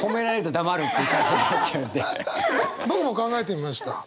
僕も考えてみました。